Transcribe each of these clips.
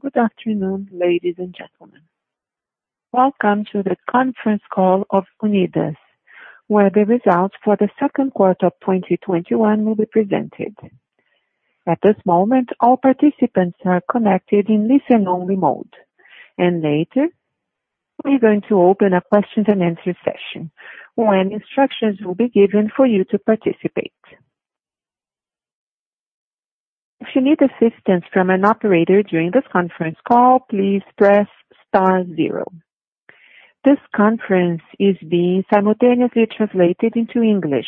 Good afternoon, ladies and gentlemen. Welcome to the conference call of Unidas, where the results for the 2nd quarter of 2021 will be presented. At this moment, all participants are connected in listen-only mode. Later, we're going to open a questions and answers session, when instructions will be given for you to participate. If you need assistance from an operator during this conference call, please press star zero. This conference is being simultaneously translated into English.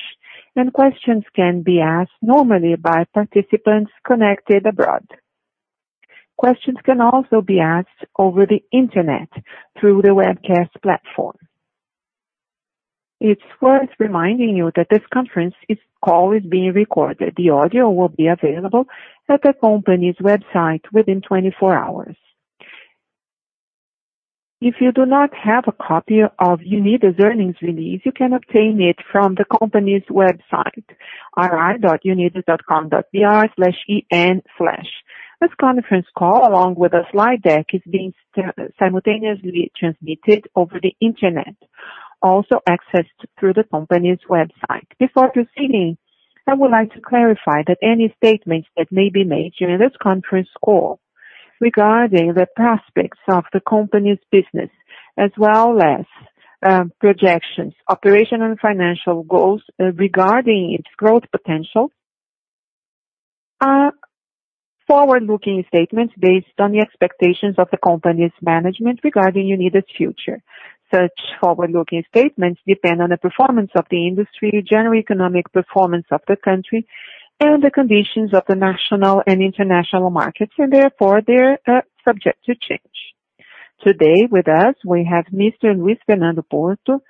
Questions can be asked normally by participants connected abroad. Questions can also be asked over the internet through the webcast platform. It's worth reminding you that this conference call is being recorded. The audio will be available at the company's website within 24 hours. If you do not have a copy of Unidas earnings release, you can obtain it from the company's website, ri.unidas.com.br/en/. This conference call, along with a slide deck, is being simultaneously transmitted over the internet, also accessed through the company's website. Before proceeding, I would like to clarify that any statements that may be made during this conference call regarding the prospects of the company's business, as well as projections, operational, and financial goals regarding its growth potential are forward-looking statements based on the expectations of the company's management regarding Unidas future. Such forward-looking statements depend on the performance of the industry, general economic performance of the country, and the conditions of the national and international markets, and therefore, they are subject to change. Today with us, we have Mr. Luis Fernando Memoria Porto,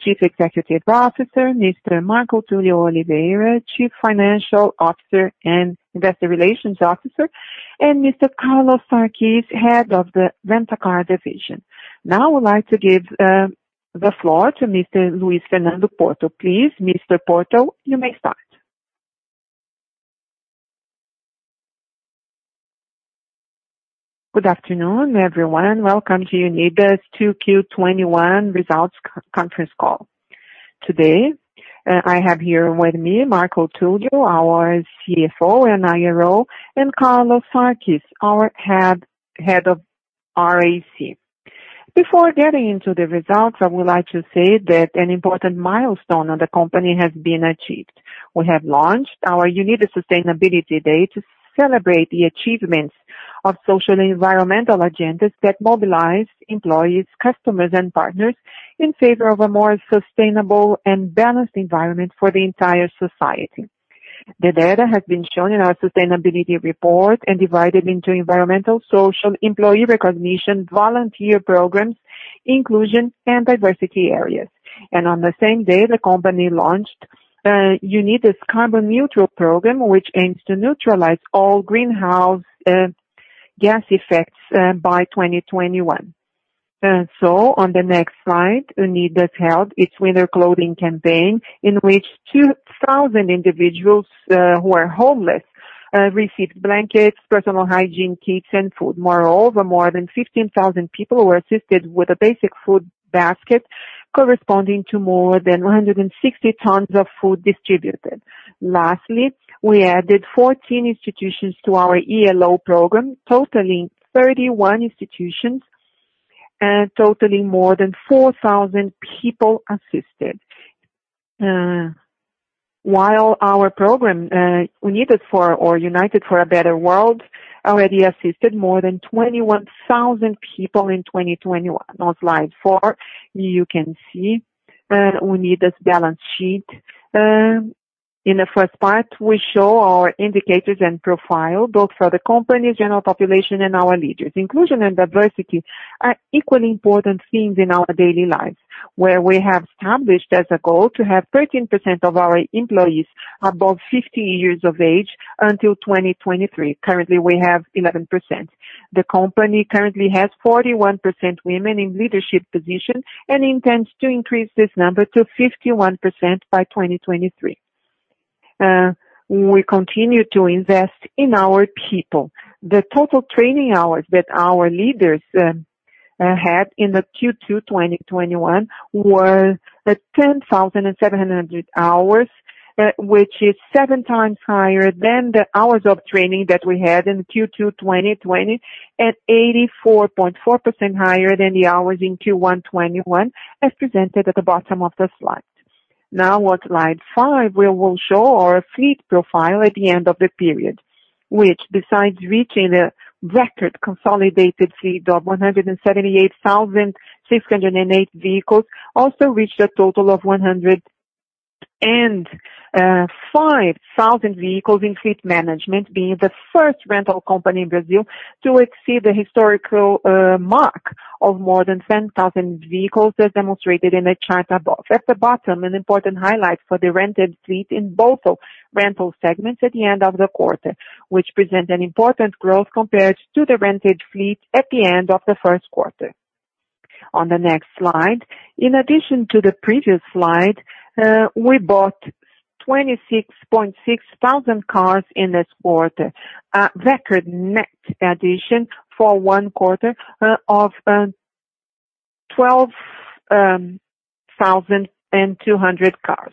Chief Executive Officer, Mr. Marco Tulio Oliveira, Chief Financial Officer and Investor Relations Officer, and Mr. Carlos Sarquis, Head of the Rent-a-Car Division. Now I would like to give the floor to Mr. Luis Fernando Porto. Please, Mr. Porto, you may start. Good afternoon, everyone. Welcome to Unidas 2Q21 Results Conference Call. Today, I have here with me Marco Tulio, our CFO and IRO, and Carlos Sarquis, our cap, Head of RAC. Before getting into the results, I would like to say that an important milestone of the company has been achieved. We have launched our Unidas Sustainability Day to celebrate the achievements of social and environmental agendas that mobilize employees, customers, and partners in favor of a more sustainable and balanced environment for the entire society. The data has been shown in our sustainability report and divided into environmental, social, employee recognition, volunteer programs, inclusion, and diversity areas. On the same day, the company launched Unidas carbon neutral program, which aims to neutralize all greenhouse gas effects by 2021. On the next slide, Unidas held its winter clothing campaign, in which 2,000 individuals who are homeless received blankets, personal hygiene kits, and food. Moreover, more than 15,000 people were assisted with a basic food basket corresponding to more than 160 tons of food distributed. Lastly, we added 14 institutions to our Elo program, totaling 31 institutions, and totaling more than 4,000 people assisted. While our program, Unidas For or United For a Better World, already assisted more than 21,000 people in 2021. On Slide four, you can see Unidas balance sheet. In the first part, we show our indicators and profile, both for the company, general population, and our leaders. Inclusion and diversity are equally important themes in our daily lives, where we have established as a goal to have 13% of our employees above 50 years of age until 2023. Currently, we have 11%. The company currently has 41% women in leadership positions and intends to increase this number to 51% by 2023. We continue to invest in our people. The total training hours that our leaders had in Q2 2021 was 10,700 hours, which is seven times higher than the hours of training that we had in Q2 2020, and 84.4% higher than the hours in Q1 2021, as presented at the bottom of the slide. On Slide five, we will show our fleet profile at the end of the period, which, besides reaching a record consolidated fleet of 178,608 vehicles, also reached a total of 105,000 vehicles in fleet management, being the first rental company in Brazil to exceed the historical mark of more than 10,000 vehicles, as demonstrated in the chart above. At the bottom, an important highlight for the rented fleet in both rental segments at the end of the quarter, which present an important growth compared to the rented fleet at the end of the first quarter. On the next slide. In addition to the previous slide, we bought 26,600 cars in this quarter, a record net addition for one quarter of 12,200 cars.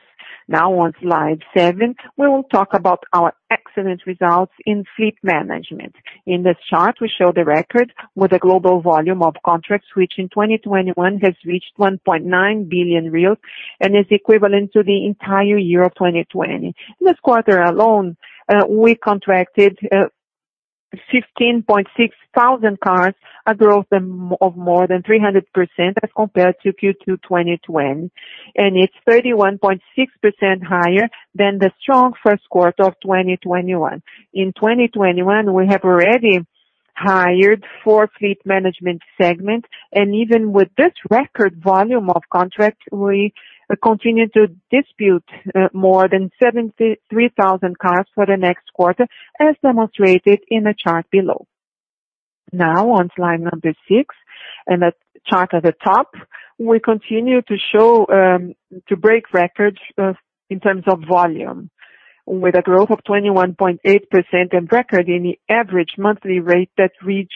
Now on Slide seven, we will talk about our excellent results in fleet management. In this chart, we show the record with a global volume of contracts, which in 2021 has reached 1.9 billion real and is equivalent to the entire year of 2020. In this quarter alone, we contracted 15,600 cars, a growth of more than 300% as compared to Q2 2020. It's 31.6% higher than the strong first quarter of 2021. In 2021, we have already hired four fleet management segment, even with this record volume of contract, we continue to dispute more than 73,000 cars for the next quarter, as demonstrated in the chart below. Now on Slide number six, in the chart at the top, we continue to break records in terms of volume with a growth of 21.8% and record in the average monthly rate that reached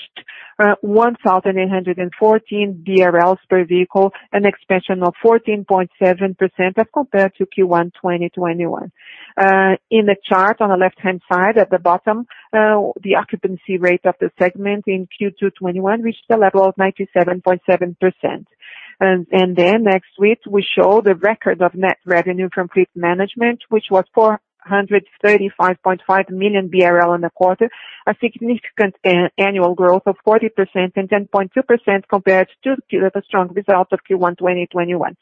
1,814 BRL per vehicle, an expansion of 14.7% as compared to Q1 2021. In the chart on the left-hand side at the bottom, the occupancy rate of the segment in Q2 2021 reached a level of 97.7%. Next sheet, we show the record of net revenue from fleet management, which was 435.5 million BRL in the quarter, a significant annual growth of 40% and 10.2% compared to the strong results of Q1 2021.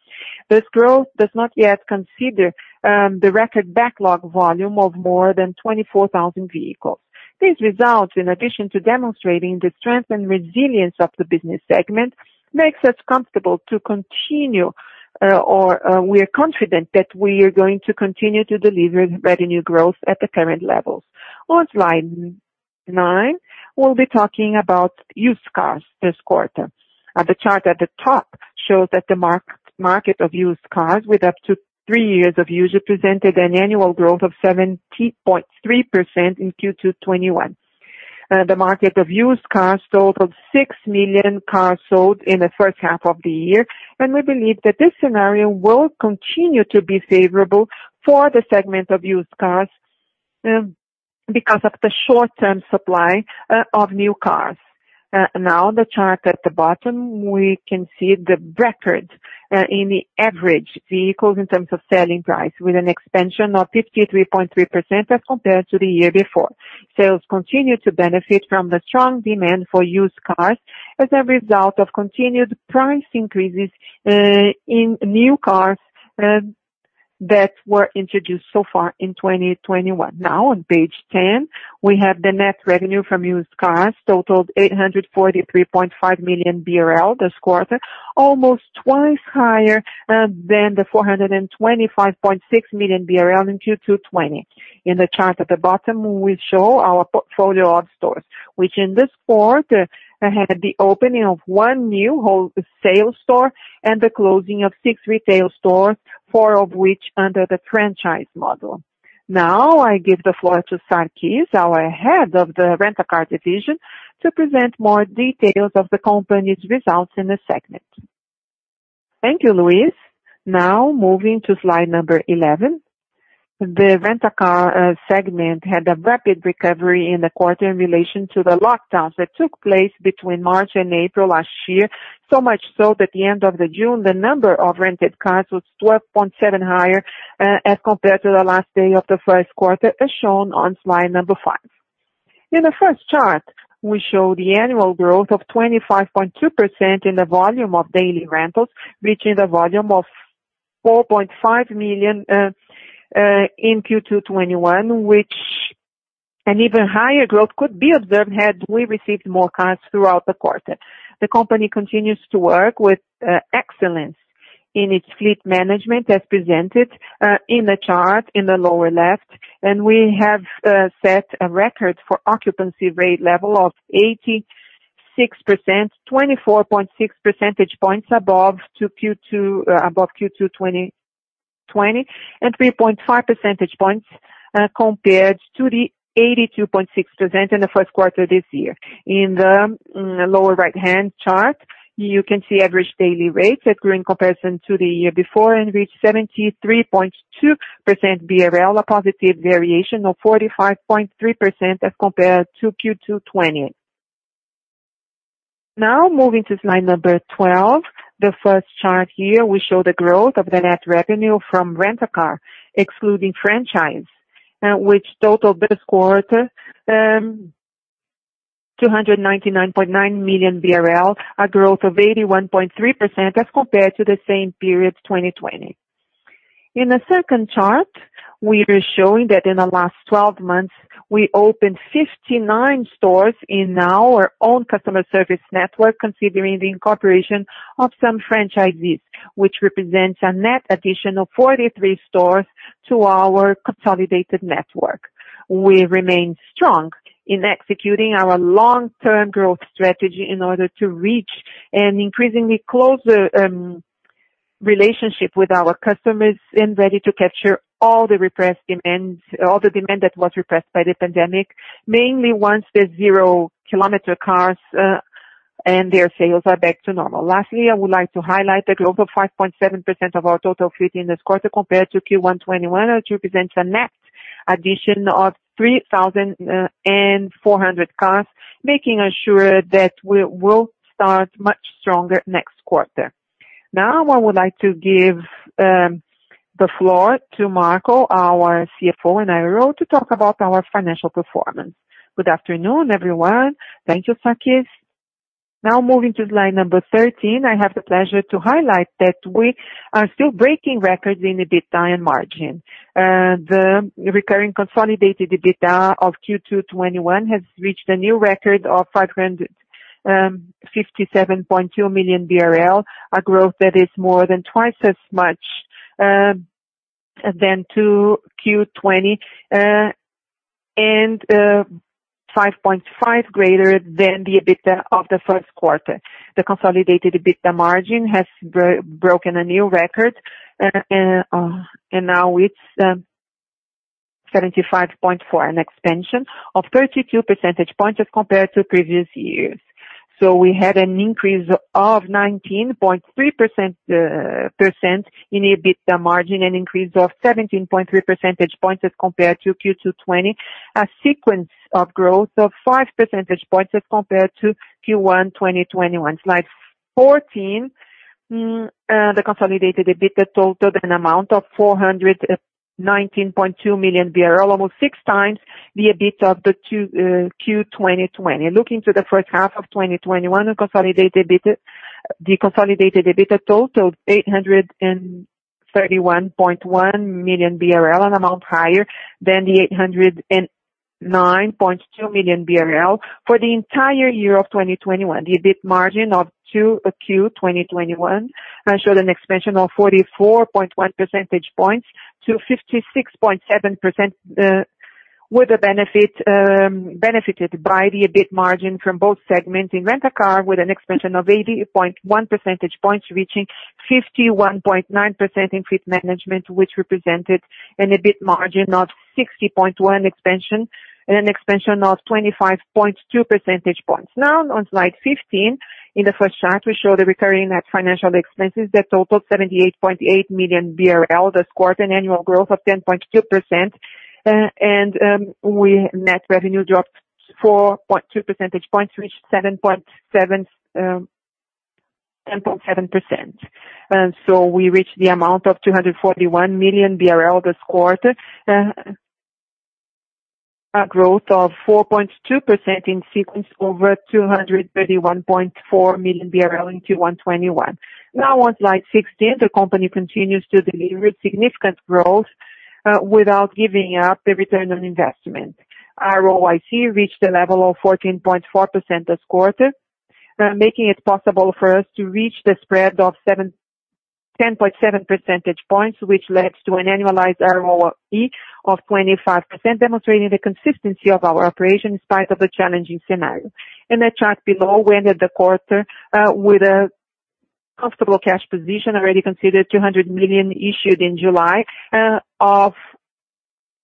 This growth does not yet consider the record backlog volume of more than 24,000 vehicles. These results, in addition to demonstrating the strength and resilience of the business segment, makes us comfortable to continue or we are confident that we are going to continue to deliver revenue growth at the current levels. On Slide nine, we will be talking about used cars this quarter. The chart at the top shows that the market of used cars with up to three years of use represented an annual growth of 17.3% in Q2 2021. The market of used cars totaled six million cars sold in the first half of the year. We believe that this scenario will continue to be favorable for the segment of used cars because of the short-term supply of new cars. Now, the chart at the bottom, we can see the records in the average vehicles in terms of selling price with an expansion of 53.3% as compared to the year before. Sales continue to benefit from the strong demand for used cars as a result of continued price increases in new cars that were introduced so far in 2021. Now on page 10, we have the net revenue from used cars totaled 843.5 million BRL this quarter, almost twice higher than the 425.6 million BRL in Q2 2020. In the chart at the bottom, we show our portfolio of stores, which in this quarter had the opening of one new wholesale store and the closing of six retail stores, four of which under the franchise model. Now I give the floor to Sarquis, our Head of the Rent-a-Car Division, to present more details of the company's results in the segment. Thank you, Luis. Moving to Slide number 11. The Rent-a-Car segment had a rapid recovery in the quarter in relation to the lockdowns that took place between March and April last year, so much so that at the end of the June, the number of rented cars was 12.7% higher, as compared to the last day of the first quarter, as shown on Slide number five. In the first chart, we show the annual growth of 25.2% in the volume of daily rentals, reaching the volume of 4.5 million in Q2 2021, which an even higher growth could be observed had we received more cars throughout the quarter. The company continues to work with excellence in its fleet management, as presented in the chart in the lower left, and we have set a record for occupancy rate level of 86%, 24.6 percentage points above Q2 2020, and 3.5 percentage points compared to the 82.6% in the first quarter this year. In the lower right-hand chart, you can see average daily rates that grew in comparison to the year before and reached 73.2 BRL, a positive variation of 45.3% as compared to Q2 2020. Moving to Slide number 12, the first chart here, we show the growth of the net revenue from Rent-a-Car, excluding franchise, which totaled this quarter, 299.9 million BRL, a growth of 81.3% as compared to the same period 2020. In the second chart, we are showing that in the last 12 months, we opened 59 stores in our own customer service network, considering the incorporation of some franchisees, which represents a net addition of 43 stores to our consolidated network. We remain strong in executing our long-term growth strategy in order to reach an increasingly close relationship with our customers and ready to capture all the demand that was repressed by the pandemic, mainly once the zero-kilometer cars and their sales are back to normal. Lastly, I would like to highlight the global 5.7% of our total fleet in this quarter compared to Q1 2021, which represents a net addition of 3,400 cars, making sure that we will start much stronger next quarter. Now, I would like to give the floor to Marco, our CFO and IRO, to talk about our financial performance. Good afternoon, everyone. Thank you, Sarquis. Moving to Slide number 13, I have the pleasure to highlight that we are still breaking records in EBITDA and margin. The recurring consolidated EBITDA of Q2 2021 has reached a new record of 557.2 million BRL, a growth that is more than twice as much than Q2 2020, and 5.5 greater than the EBITDA of Q1 2021. The consolidated EBITDA margin has broken a new record, now it's 75.4%, an expansion of 32 percentage points as compared to previous years. We had an increase of 19.3% in EBITDA margin, an increase of 17.3 percentage points as compared to Q2 2020, a sequence of growth of 5 percentage points as compared to Q1 2021. Slide 14. The consolidated EBITDA totaled an amount of 419.2 million BRL, almost 6x the EBIT of Q2 2020. Looking to the first half of 2021, the consolidated EBITDA totaled 831.1 million BRL, an amount higher than the 809.2 million BRL for the entire year of 2021. The EBIT margin of Q2 2021 showed an expansion of 44.1 percentage points to 56.7%, with the benefited by the EBIT margin from both segments in Rent-a-Car, with an expansion of 80.1 percentage points, reaching 51.9% in fleet management, which represented an EBIT margin of 60.1 expansion and an expansion of 25.2 percentage points. Now on Slide 15, in the first chart, we show the recurring net financial expenses that totaled 78.8 million BRL, this quarter, an annual growth of 10.2%. Net revenue dropped 4.2 percentage points, reached 7.7%, elbow 7%. We reached the amount of 241 million BRL this quarter, a growth of 4.2% in sequence over 231.4 million BRL in Q1 2021. Now Slide 16, the company continues to deliver significant growth without giving up the return on investment. ROIC reached a level of 14.4% this quarter, making it possible for us to reach the spread of 10.7 percentage points, which led to an annualized ROE of 25%, demonstrating the consistency of our operation in spite of the challenging scenario. In the chart below, we ended the quarter with a comfortable cash position, already considered 200 million issued in July of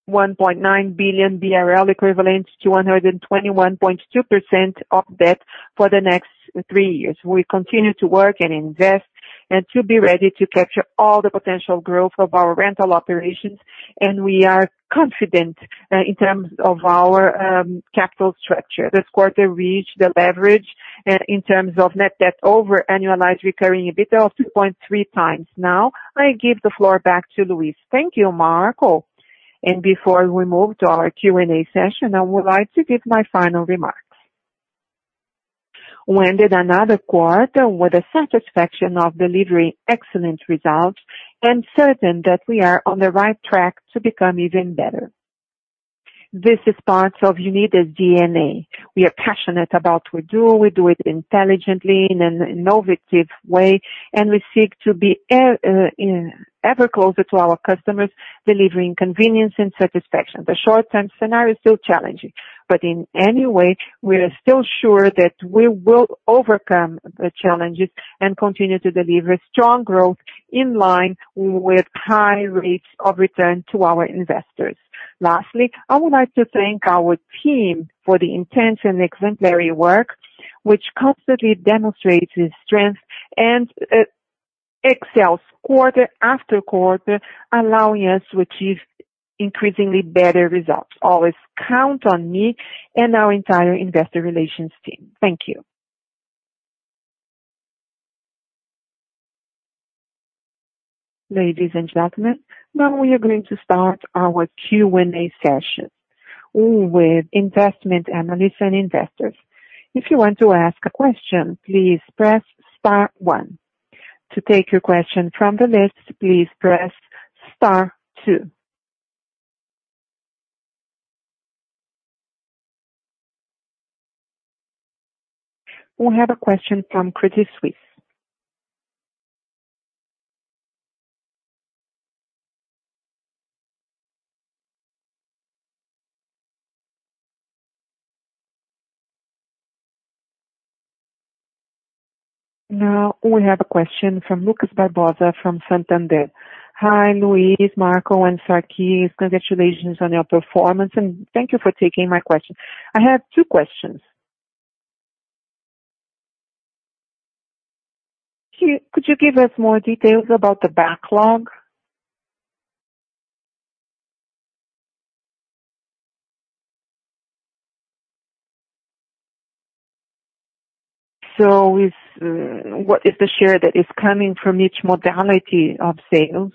1.9 billion BRL, equivalent to 121.2% of debt for the next three years. We continue to work and invest and to be ready to capture all the potential growth of our rental operations, and we are confident in terms of our capital structure. This quarter reached the leverage in terms of net debt over annualized recurring EBITDA of 2.3x. Now, I give the floor back to Luis. Thank you, Marco. Before we move to our Q&A session, I would like to give my final remarks. We ended another quarter with the satisfaction of delivering excellent results and certain that we are on the right track to become even better. This is part of Unidas DNA. We are passionate about what we do. We do it intelligently in an innovative way, and we seek to be ever closer to our customers, delivering convenience and satisfaction. The short-term scenario is still challenging, but in any way, we are still sure that we will overcome the challenges and continue to deliver strong growth in line with high rates of return to our investors. Lastly, I would like to thank our team for the intense and exemplary work, which constantly demonstrates its strength and excels quarter after quarter, allowing us to achieve increasingly better results. Always count on me and our entire investor relations team. Thank you Ladies and gentlemen, now we are going to start our Q&A session with investment analysts and investors. If you want to ask a question, please press star one. To take your question from the list, please press star two. We have a question from Credit Suisse. Now we have a question from Lucas Ribeiro from Santander. Hi, Luis, Marco, and Sarquis. Congratulations on your performance, and thank you for taking my question. I have two questions. Could you give us more details about the backlog? What is the share that is coming from each modality of sales?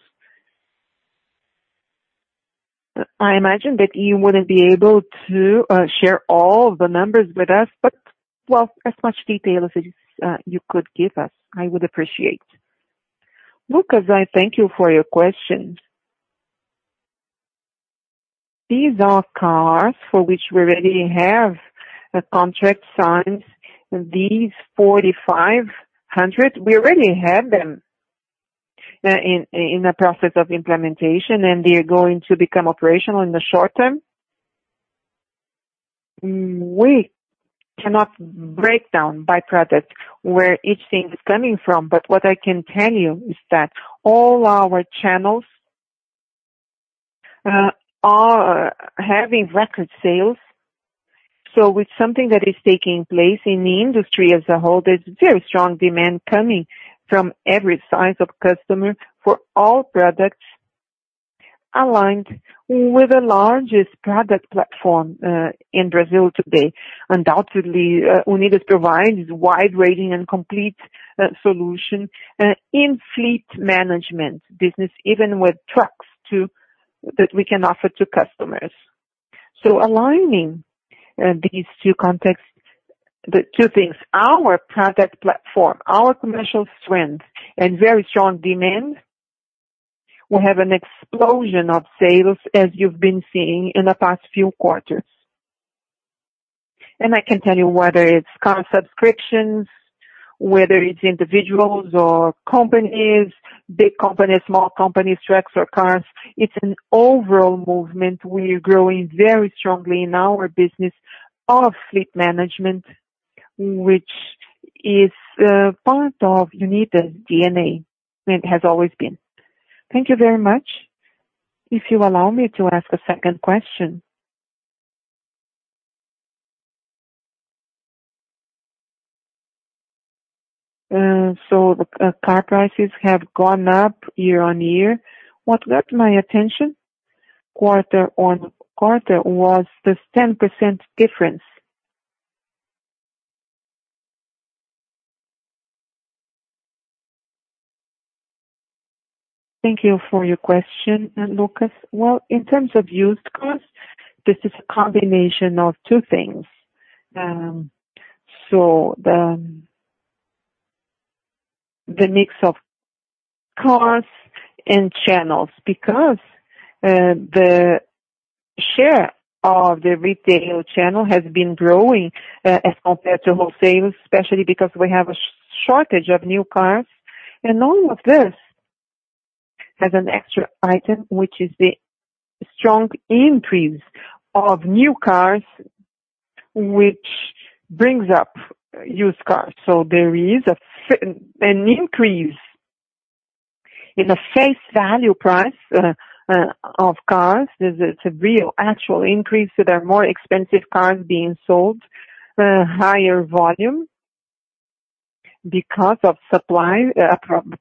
I imagine that you wouldn't be able to share all the numbers with us, well, as much detail as you could give us, I would appreciate. Lucas, I thank you for your question. These are cars for which we already have a contract signed. These 4,500, we already have them in the process of implementation, and they are going to become operational in the short term. We cannot break down by product where each thing is coming from, but what I can tell you is that all our channels are having record sales. It's something that is taking place in the industry as a whole. There's very strong demand coming from every size of customer for all products aligned with the largest product platform in Brazil today. Undoubtedly, Unidas provides wide-ranging and complete solution in fleet management business, even with trucks too, that we can offer to customers. Aligning these two things, our product platform, our commercial strength, and very strong demand, we have an explosion of sales as you've been seeing in the past few quarters. I can tell you whether it's car subscriptions, whether it's individuals or companies, big companies, small companies, trucks or cars, it's an overall movement. We are growing very strongly in our business of fleet management, which is part of Unidas DNA. It has always been. Thank you very much. If you allow me to ask a second question. The car prices have gone up year-over-year. What got my attention quarter-on-quarter was this 10% difference. Thank you for your question, Lucas. Well, in terms of used cars, this is a combination of two things. The mix of cars and channels, because the share of the retail channel has been growing as compared to wholesale, especially because we have a shortage of new cars. All of this has an extra item, which is the strong increase of new cars, which brings up used cars. There is an increase in the face value price of cars. There's a real actual increase. There are more expensive cars being sold, higher volume because of supply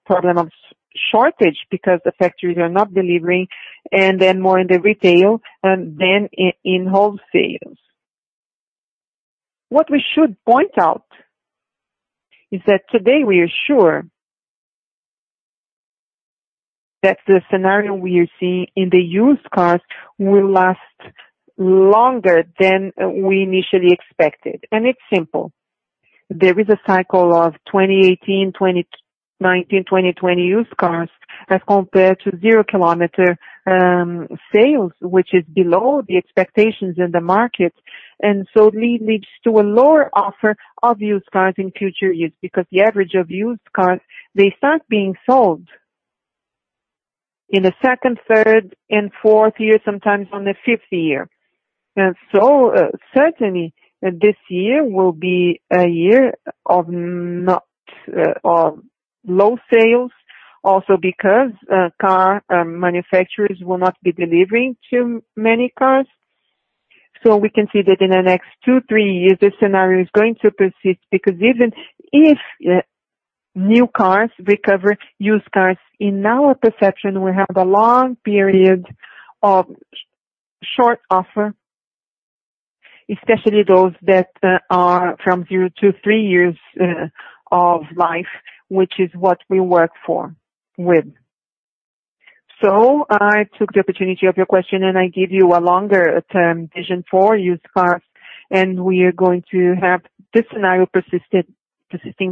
problem of shortage because the factories are not delivering, more in the retail than in wholesales. What we should point out is that today we are sure that the scenario we are seeing in the used cars will last longer than we initially expected. It's simple. There is a cycle of 2018, 2019, 2020 used cars as compared to zero-kilometer sales, which is below the expectations in the market, it leads to a lower offer of used cars in future years. Because the average of used cars, they start being sold in the second, third, and fourth year, sometimes on the fifth year. Certainly this year will be a year of low sales also because car manufacturers will not be delivering too many cars. We can see that in the next two, three years, this scenario is going to persist because even if new cars recover used cars, in our perception, we have a long period of short offer, especially those that are from zero-three years of life, which is what we work with. I took the opportunity of your question, and I give you a longer-term vision for used cars, and we are going to have this scenario persisting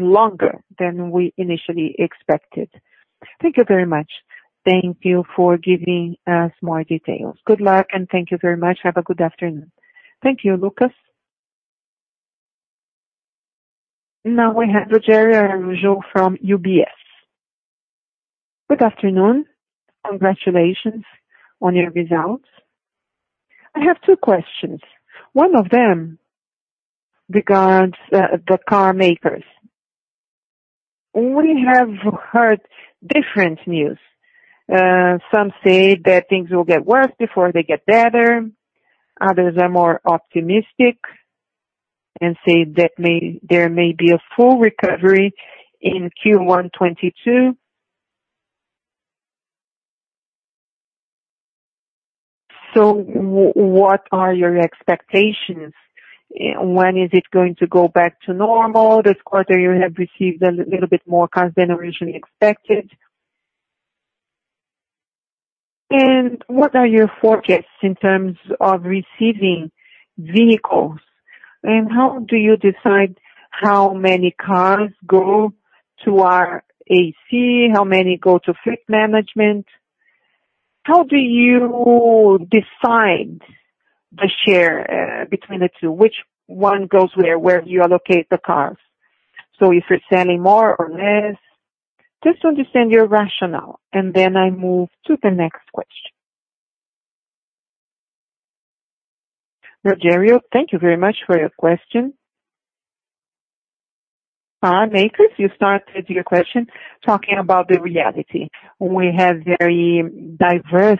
longer than we initially expected. Thank you very much. Thank you for giving us more details. Good luck, and thank you very much. Have a good afternoon. Thank you, Lucas. Now we have Rogério Araujo from UBS. Good afternoon. Congratulations on your results. I have two questions. One of them regards the car makers. We have heard different news. Some say that things will get worse before they get better. Others are more optimistic and say that there may be a full recovery in Q1 2022. What are your expectations? When is it going to go back to normal? This quarter, you have received a little bit more cars than originally expected. What are your forecasts in terms of receiving vehicles? How do you decide how many cars go to RAC, how many go to fleet management? How do you decide the share between the two, which one goes where you allocate the cars? If you're selling more or less, just to understand your rationale, and then I move to the next question. Rogério, thank you very much for your question. Car makers, you started your question talking about the reality. We have very diverse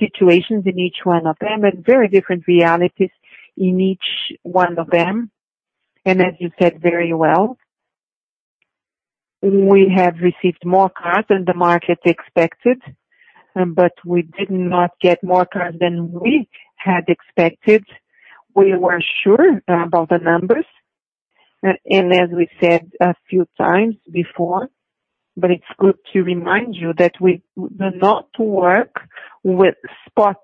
situations in each one of them and very different realities in each one of them. As you said very well, we have received more cars than the market expected, but we did not get more cars than we had expected. We were sure about the numbers. As we said a few times before, but it's good to remind you that we do not work with spot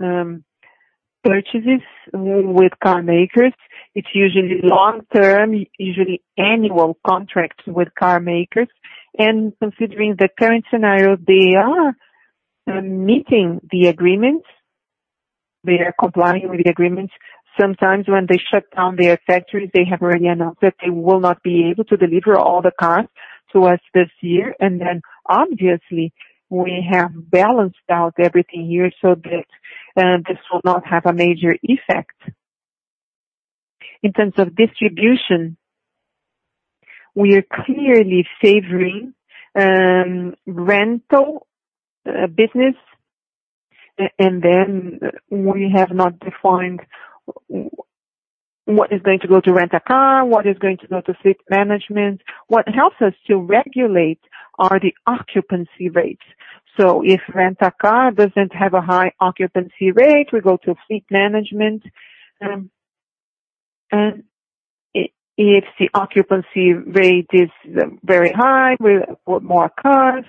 purchases with car makers. It's usually long-term, usually annual contracts with car makers. Considering the current scenario, they are meeting the agreements. They are complying with the agreements. Sometimes when they shut down their factories, they have already announced that they will not be able to deliver all the cars to us this year. Obviously, we have balanced out everything here so that this will not have a major effect. In terms of distribution, we are clearly favoring rental business. We have not defined what is going to go to Rent-a-Car, what is going to go to fleet management. What helps us to regulate are the occupancy rates. If Rent-a-Car doesn't have a high occupancy rate, we go to fleet management. If the occupancy rate is very high, we import more cars.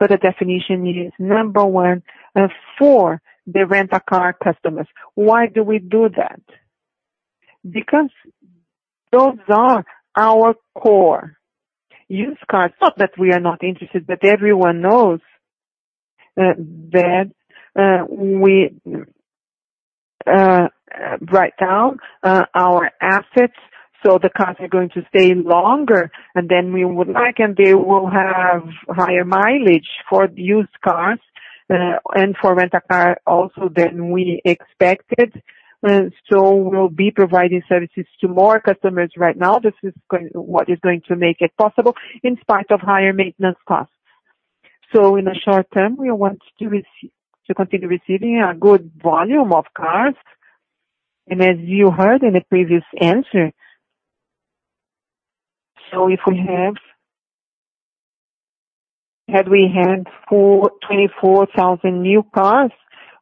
The definition is number one for the Rent-a-Car customers. Why do we do that? Because those are our core used cars. Not that we are not interested, but everyone knows that we write down our assets, so the cars are going to stay longer than we would like, and they will have higher mileage for used cars and for Rent-a-Car also than we expected. We'll be providing services to more customers right now. This is what is going to make it possible in spite of higher maintenance costs. In the short term, we want to continue receiving a good volume of cars. As you heard in the previous answer, had we had 24,000 new cars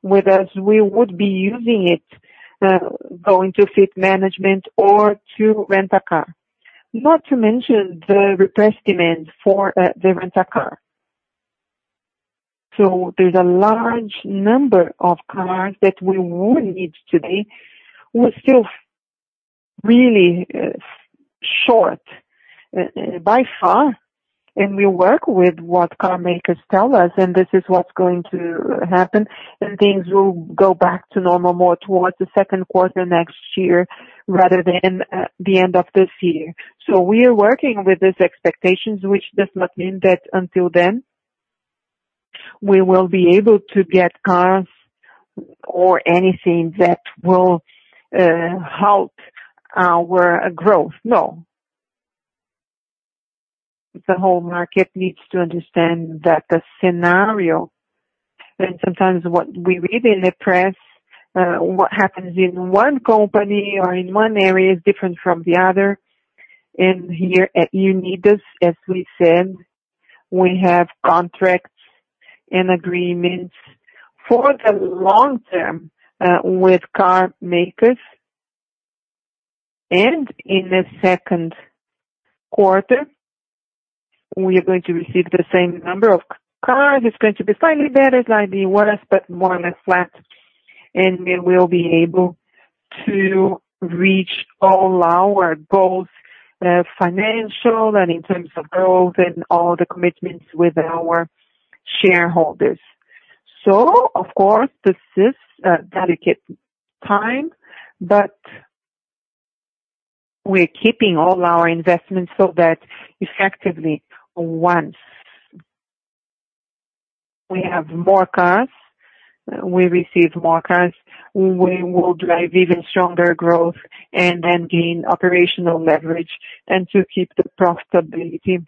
with us, we would be using it, going to fleet management or to Rent-a-Car. Not to mention the repressed demand for the Rent-a-Car. There's a large number of cars that we would need today. We're still really short by far, and we work with what car makers tell us, and this is what's going to happen, and things will go back to normal more towards the second quarter next year rather than the end of this year. We are working with these expectations, which does not mean that until then we will be able to get cars or anything that will halt our growth. No. The whole market needs to understand that the scenario and sometimes what we read in the press, what happens in one company or in one area is different from the other. Here at Unidas, as we said, we have contracts and agreements for the long term with carmakers. In the second quarter, we are going to receive the same number of cars. It's going to be slightly better than it was, but more or less flat, and we will be able to reach all our goals, financial and in terms of growth and all the commitments with our shareholders. Of course, this is a delicate time, but we are keeping all our investments so that effectively once we have more cars, we receive more cars, we will drive even stronger growth and then gain operational leverage and to keep the profitability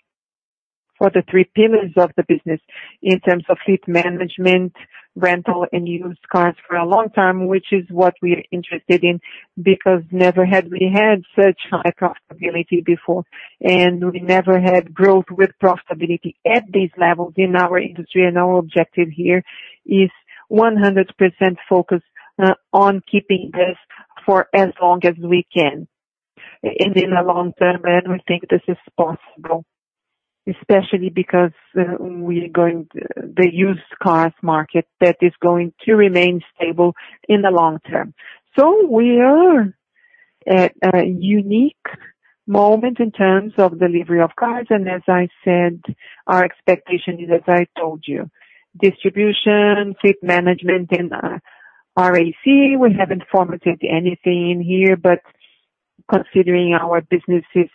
for the three pillars of the business in terms of fleet management, Rent-a-Car, and used cars for a long time, which is what we are interested in because never have we had such high profitability before, and we never had growth with profitability at these levels in our industry and our objective here is 100% focused on keeping this for as long as we can and in the long term. We think this is possible, especially because the used cars market that is going to remain stable in the long term. We are at a unique moment in terms of delivery of cars, and as I said, our expectation is, as I told you, distribution, fleet management and RAC. We haven't formatted anything here, considering our businesses,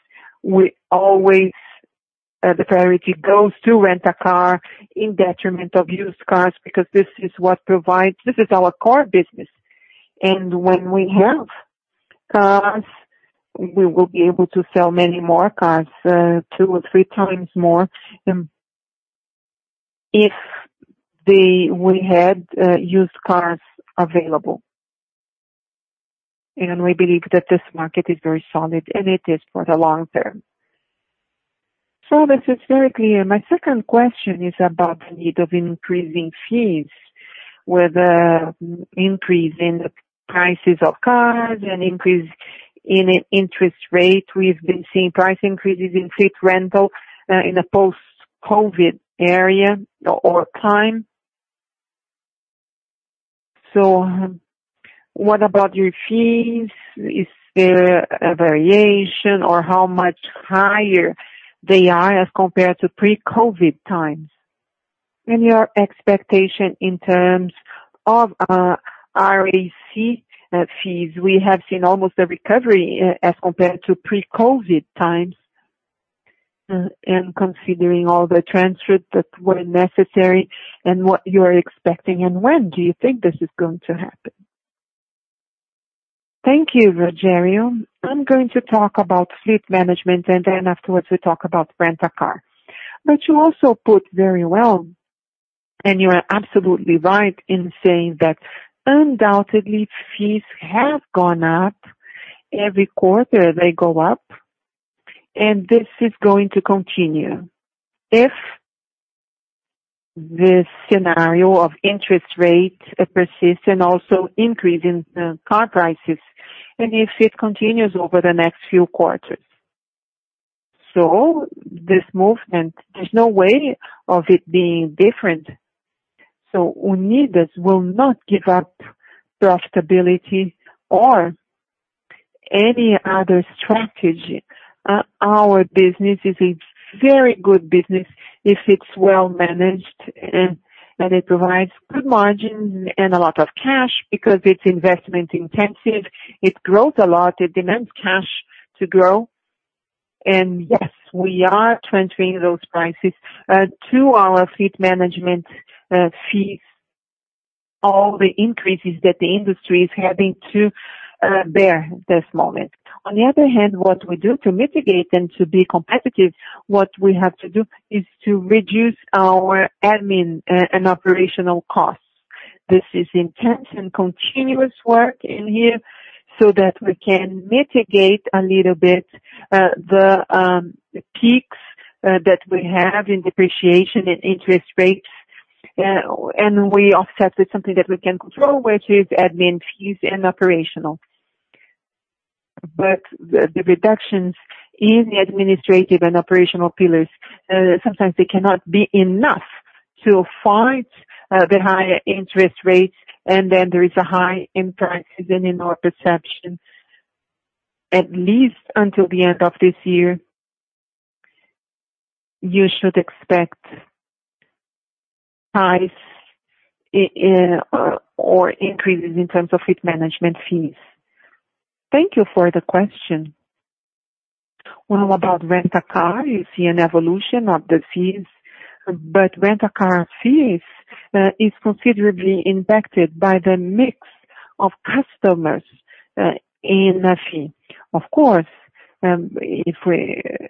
the priority goes to Rent-a-Car in detriment of used cars because this is our core business. When we have cars, we will be able to sell many more cars, two or three times more than if we had used cars available. We believe that this market is very solid and it is for the long term. This is very clear. My second question is about the need of increasing fees with increase in the prices of cars and increase in interest rate. We've been seeing price increases in fleet rental, in a post-COVID era or time. What about your fees? Is there a variation or how much higher they are as compared to pre-COVID times? Your expectation in terms of RAC fees. We have seen almost a recovery as compared to pre-COVID times, and considering all the transfers that were necessary and what you are expecting, and when do you think this is going to happen? Thank you, Rogério. I'm going to talk about fleet management, and then afterwards we talk about Rent-a-Car. You also put very well, and you are absolutely right in saying that undoubtedly, fees have gone up. Every quarter they go up, and this is going to continue. If this scenario of interest rates persists and also increase in car prices, and if it continues over the next few quarters. This movement, there's no way of it being different. Unidas will not give up profitability or any other strategy. Our business is a very good business if it's well managed and it provides good margin and a lot of cash because it's investment intensive. It grows a lot, it demands cash to grow. Yes, we are transferring those prices to our fleet management fees, all the increases that the industry is having to bear this moment. On the other hand, what we do to mitigate and to be competitive, what we have to do is to reduce our admin and operational costs. This is intense and continuous work in here so that we can mitigate a little bit the peaks that we have in depreciation and interest rates. We offset with something that we can control, which is admin fees and operational. The reductions in the administrative and operational pillars sometimes they cannot be enough to fight the higher interest rates, and then there is a high in prices and in our perception, at least until the end of this year, you should expect highs or increases in terms of Fleet Management fees. Thank you for the question. Well, about Rent-a-Car, you see an evolution of the fees, but Rent-a-Car fees is considerably impacted by the mix of customers in a fee. Of course, the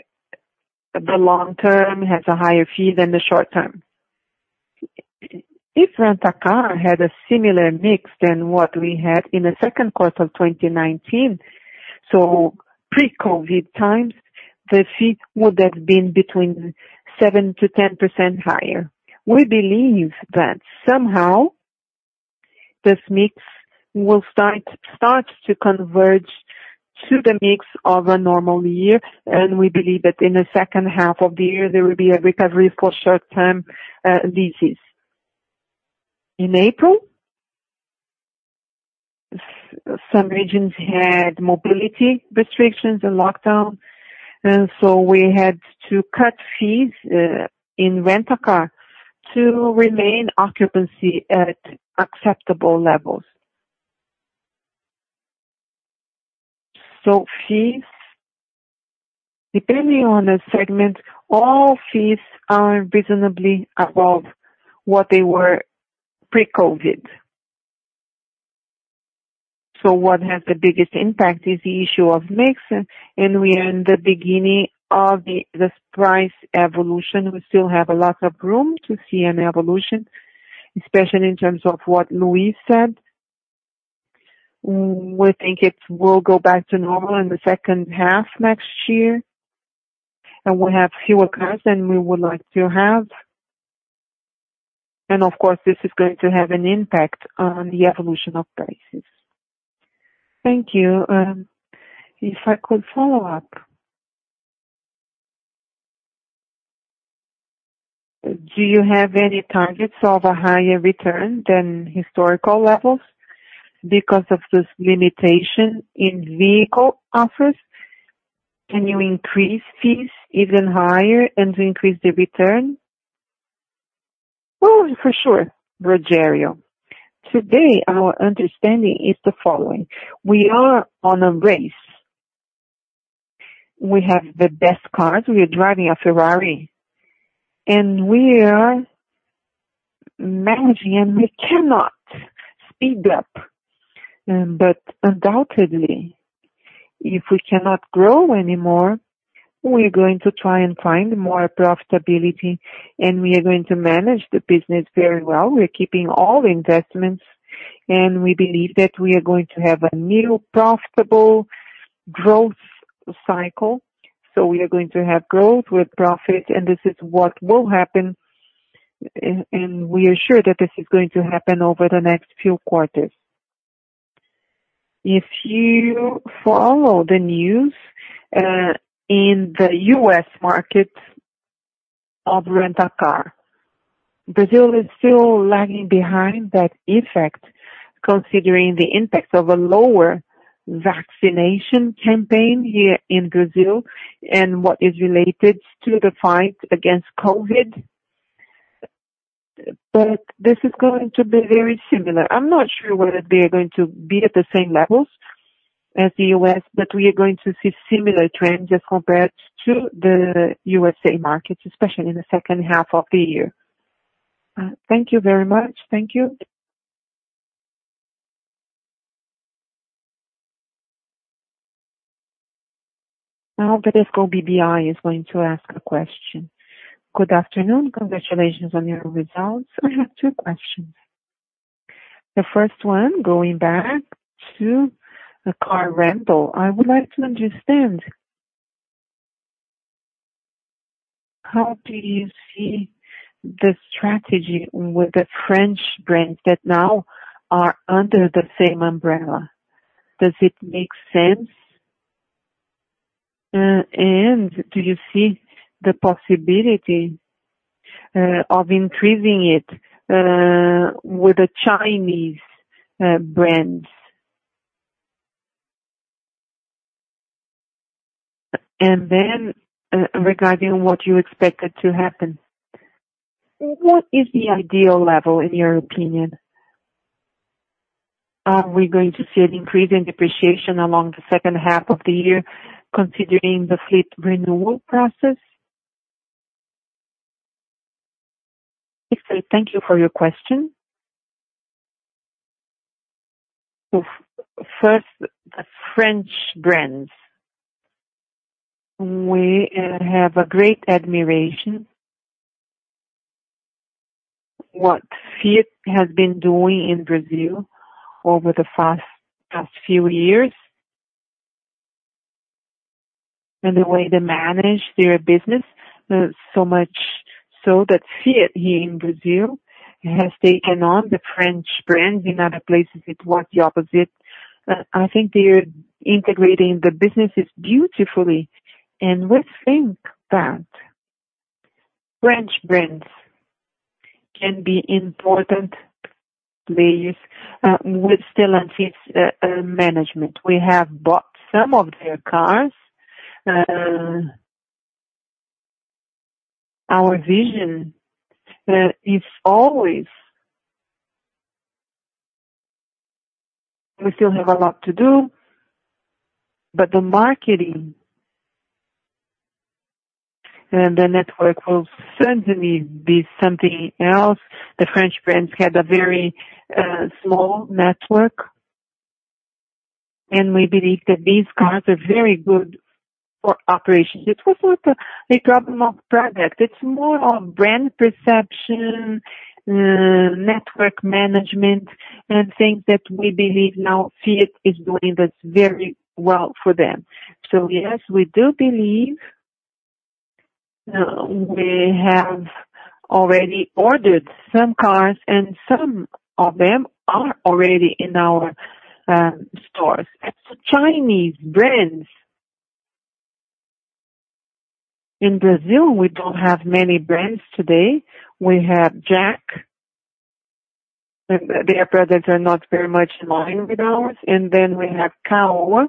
long term has a higher fee than the short term. If Rent-a-Car had a similar mix than what we had in the second quarter of 2019, so pre-COVID times, the fee would have been between 7%-10% higher. We believe that somehow this mix will start to converge to the mix of a normal year. We believe that in the second half of the year, there will be a recovery for short-term leases. In April, some regions had mobility restrictions and lockdown. We had to cut fees in Rent-a-Car to remain occupancy at acceptable levels. Fees, depending on the segment, all fees are reasonably above what they were pre-COVID. What has the biggest impact is the issue of mix. We are in the beginning of this price evolution. We still have a lot of room to see an evolution, especially in terms of what Luis said. We think it will go back to normal in the second half next year. We'll have fewer cars than we would like to have. Of course, this is going to have an impact on the evolution of prices. Thank you. If I could follow up. Do you have any targets of a higher return than historical levels because of this limitation in vehicle offers? Can you increase fees even higher and increase the return? Oh, for sure, Rogério. Today, our understanding is the following. We are on a race. We have the best cars. We are driving a Ferrari, and we are managing, and we cannot speed up. Undoubtedly, if we cannot grow anymore, we're going to try and find more profitability, and we are going to manage the business very well. We're keeping all investments, and we believe that we are going to have a new profitable growth cycle. We are going to have growth with profit, and this is what will happen, and we are sure that this is going to happen over the next few quarters. If you follow the news, in the U.S. market of Rent-a-Car, Brazil is still lagging behind that effect considering the impacts of a lower vaccination campaign here in Brazil and what is related to the fight against COVID. This is going to be very similar. I'm not sure whether they are going to be at the same levels as the U.S., but we are going to see similar trends as compared to the USA markets, especially in the second half of the year. Thank you very much. Thank you. Now Bradesco BBI is going to ask a question. Good afternoon. Congratulations on your results. I have two questions. The first one, going back to the Rent-a-Car. I would like to understand, how do you see the strategy with the French brands that now are under the same umbrella? Does it make sense? Do you see the possibility of increasing it with the Chinese brands? Then regarding what you expected to happen, what is the ideal level in your opinion? Are we going to see an increase in depreciation along the second half of the year considering the fleet renewal process? Thank you for your question. First, the French brands. We have a great admiration what Fiat has been doing in Brazil over the past few years and the way they manage their business. So much so that Fiat here in Brazil has taken on the French brands. In other places, it was the opposite. I think they're integrating the businesses beautifully, and we think that French brands can be important players with Stellantis management. We have bought some of their cars. Our vision is always that we still have a lot to do, but the marketing and the network will certainly be something else. The French brands had a very small network, and we believe that these cars are very good for operations. It was not a problem of product. It's more of brand perception, network management, and things that we believe now Fiat is doing this very well for them. Yes, we do believe. We have already ordered some cars, and some of them are already in our stores. As for Chinese brands. In Brazil, we don't have many brands today. We have JAC, and their products are not very much in line with ours. Then we have CAOA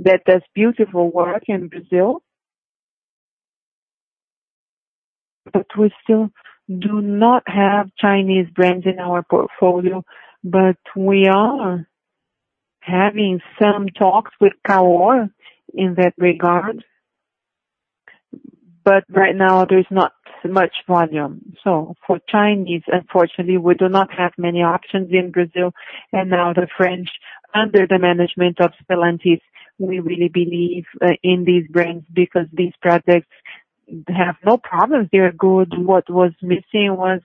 that does beautiful work in Brazil. We still do not have Chinese brands in our portfolio. We are having some talks with CAOA in that regard. Right now, there's not much volume. For Chinese, unfortunately, we do not have many options in Brazil. Now the French, under the management of Stellantis, we really believe in these brands because these projects have no problems. They are good. What was missing was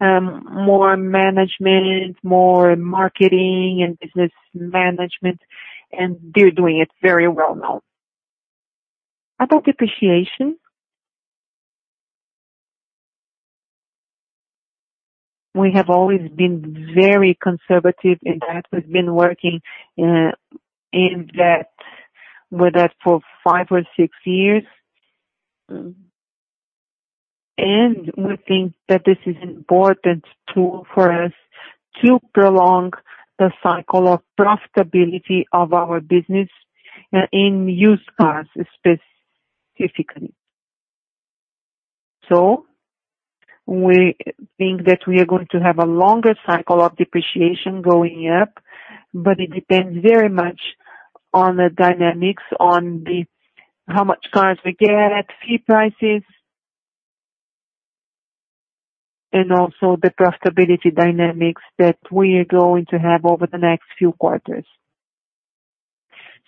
more management, more marketing, and business management, and they're doing it very well now. About depreciation, we have always been very conservative in that. We've been working with that for five or six years. We think that this is an important tool for us to prolong the cycle of profitability of our business in used cars specifically. We think that we are going to have a longer cycle of depreciation going up, but it depends very much on the dynamics, on how much cars we get at fleet prices, and also the profitability dynamics that we are going to have over the next few quarters.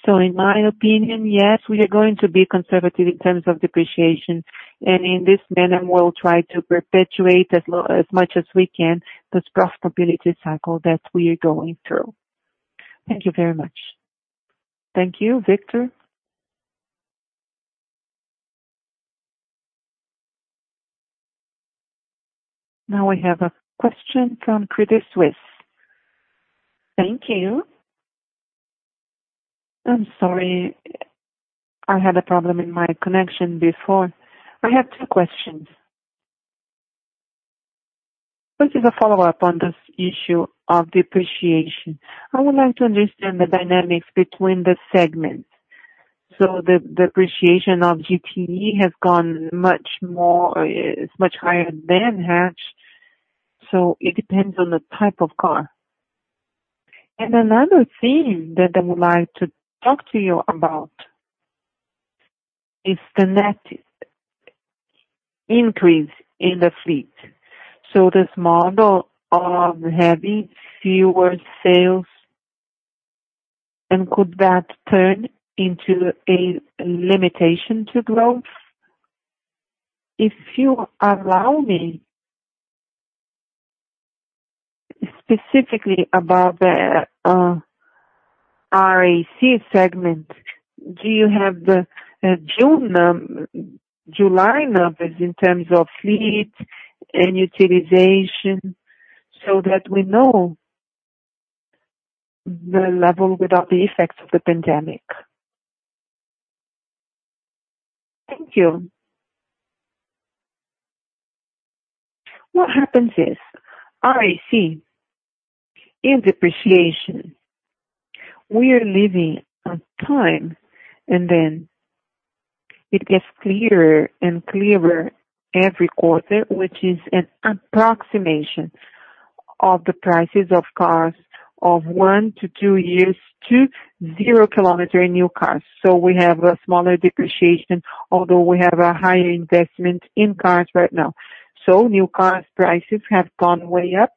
In my opinion, yes, we are going to be conservative in terms of depreciation. In this manner, we'll try to perpetuate as much as we can, this profitability cycle that we are going through. Thank you very much. Thank you, Pedro. Now we have a question from Credit Suisse. Thank you. I'm sorry. I had a problem with my connection before. I have two questions. First is a follow-up on this issue of depreciation. I would like to understand the dynamics between the segments. The depreciation of GTF is much higher than hatch, so it depends on the type of car. Another thing that I would like to talk to you about is the net increase in the fleet. This model of having fewer sales, and could that turn into a limitation to growth? If you allow me, specifically about the RAC segment, do you have the July numbers in terms of fleet and utilization so that we know the level without the effects of the pandemic? Thank you. What happens is RAC in depreciation, we are living a time, and then it gets clearer and clearer every quarter, which is an approximation of the prices of cars of one-two years to zero-kilometer new cars. We have a smaller depreciation, although we have a higher investment in cars right now. New cars prices have gone way up,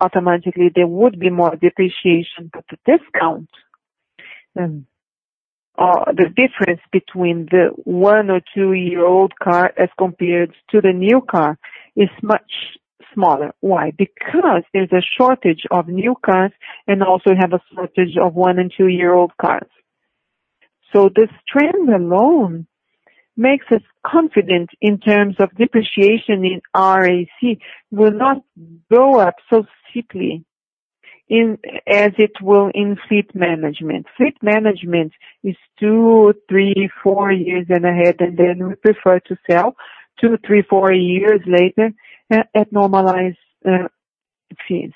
automatically there would be more depreciation. The discount or the difference between the one or two-year-old car as compared to the new car is much smaller. Why? Because there's a shortage of new cars and also we have a shortage of one and two-year-old cars. This trend alone makes us confident in terms of depreciation in RAC will not go up so steeply as it will in fleet management. Fleet management is two, three, four years and ahead, we prefer to sell two, three, four years later at normalized fees.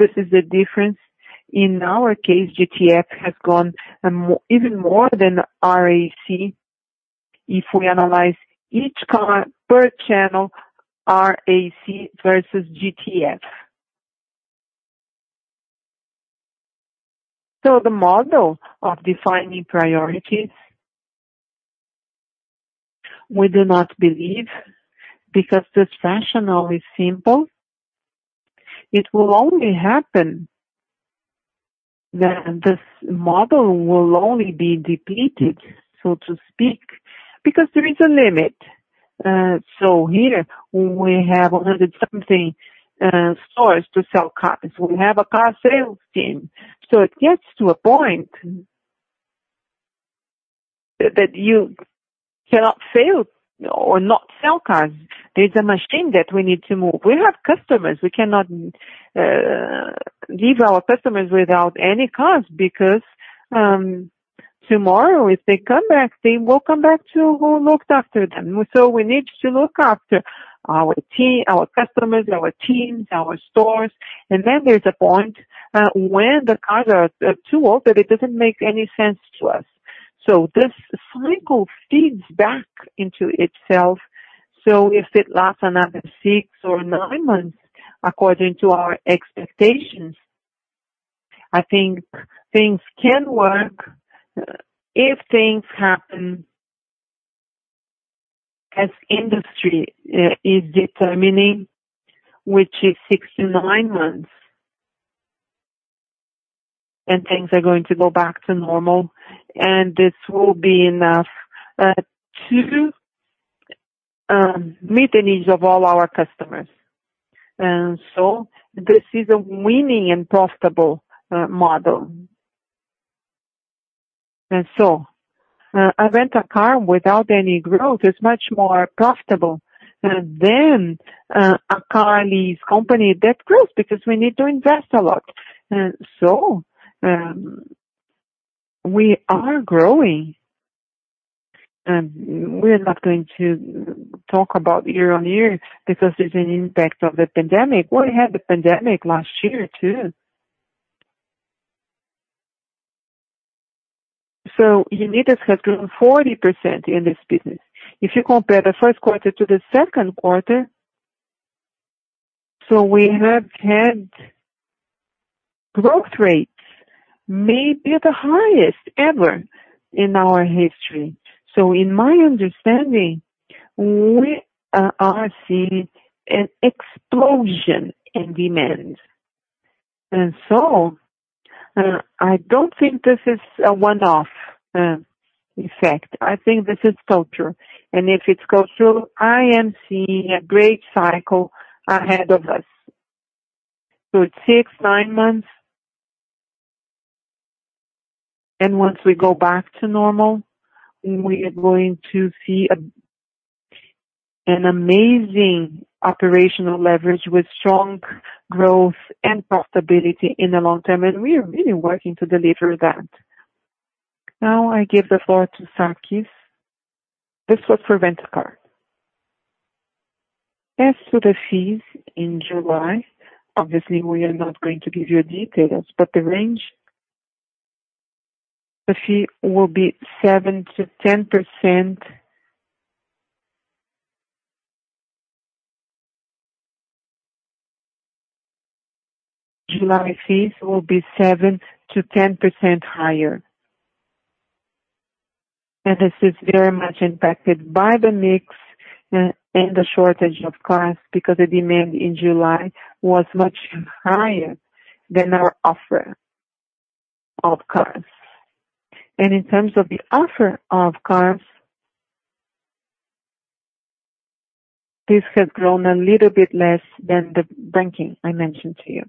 This is the difference. In our case, GTF has gone even more than RAC. If we analyze each car per channel, RAC versus GTF. The model of defining priorities, we do not believe because this rationale is simple. It will only happen that this model will only be depleted, so to speak, because there is a limit. Here we have 100-something stores to sell cars. We have a car sales team. It gets to a point that you cannot sell or not sell cars. There's a machine that we need to move. We have customers. We cannot give our customers without any cost, because tomorrow if they come back, they will come back to who looked after them. We need to look after our customers, our teams, our stores. There's a point when the cars are too old that it doesn't make any sense to us. This cycle feeds back into itself. If it lasts another six or nine months, according to our expectations, I think things can work if things happen as industry is determining, which is six-nine months, and things are going to go back to normal, and this will be enough to meet the needs of all our customers. This is a winning and profitable model. A Rent-a-Car without any growth is much more profitable than a car lease company that grows because we need to invest a lot. We are growing. We're not going to talk about year-over-year because there's an impact of the pandemic. We had the pandemic last year, too. Unidas has grown 40% in this business. If you compare the first quarter to the second quarter, so we have had growth rates may be the highest ever in our history. In my understanding, we are seeing an explosion in demand. I don't think this is a one-off effect. I think this is structural. If it's structural, I am seeing a great cycle ahead of us. It takes nine months. Once we go back to normal, we are going to see an amazing operational leverage with strong growth and profitability in the long term, and we are really working to deliver that. I give the floor to Sarquis. This was for Rent-a-Car. As to the fees in July, obviously, we are not going to give you details, but the range, the fee will be 7%-10%. July fees will be 7%-10% higher. This is very much impacted by the mix and the shortage of cars because the demand in July was much higher than our offer of cars. In terms of the offer of cars, this has grown a little bit less than the banking I mentioned to you.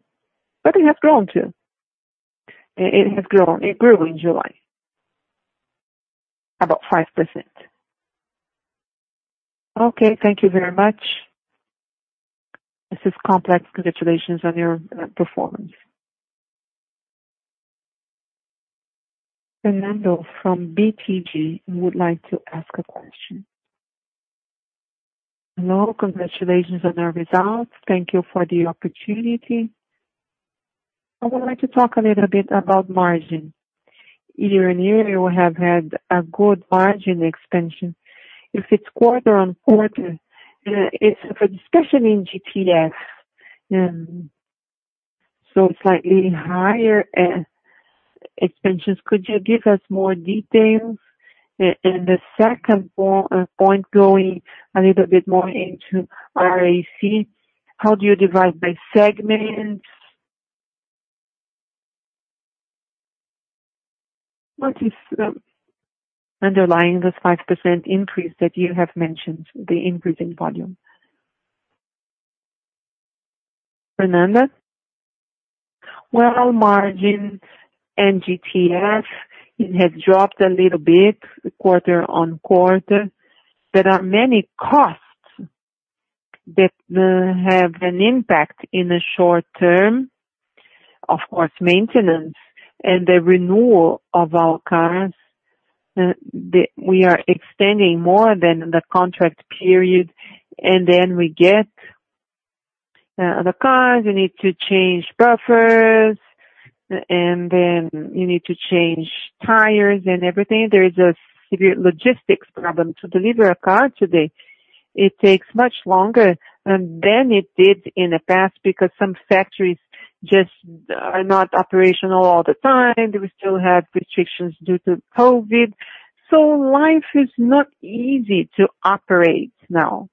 It has grown, too. It grew in July, about 5%. Okay, thank you very much. This is complex. Congratulations on your performance. Fernando from BTG would like to ask a question. Hello. Congratulations on the results. Thank you for the opportunity. I would like to talk a little bit about margin. Year-on-year, we have had a good margin expansion. If it's quarter-on-quarter, it's a discussion in GTF, so slightly higher expansions. Could you give us more details? The second point going a little bit more into RAC, how do you divide by segments? What is underlying this 5% increase that you have mentioned, the increase in volume? Fernando. Well, margins and GTF, it has dropped a little bit quarter-on-quarter. There are many costs that have an impact in the short term. Of course, maintenance and the renewal of our cars. We are extending more than the contract period. We get the cars, you need to change bumpers, you need to change tires, and everything. There is a severe logistics problem. To deliver a car today, it takes much longer than it did in the past because some factories just are not operational all the time. We still have restrictions due to COVID. Life is not easy to operate now.